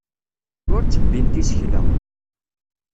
Ur ttebbint isekla.